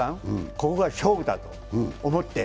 ここが勝負だと思って。